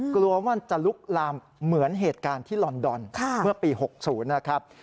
กลัวว่าจะลุกลามเหมือนเหตุการณ์ที่ลอนดอนเมื่อปี๖๐นะครับ